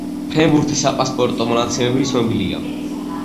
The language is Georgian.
ფრენბურთის „საპასპორტო“ მონაცემები ცნობილია: